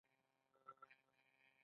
دا شیان په لاندې ډول دي.